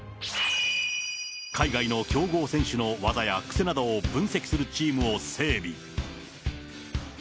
海外の強豪選手の技や癖などを分析するチームを整備。